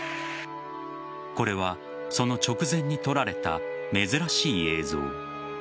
これはその直前に撮られた珍しい映像。